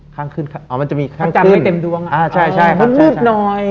ข้างขึ้นมันจะมีข้างขึ้นมันจะไม่เต็มดวงมันมืดหน่อย